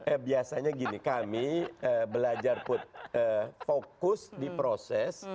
eh biasanya gini kami belajar fokus di proses